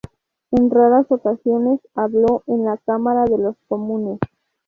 En raras ocasiones habló en la Cámara de los Comunes.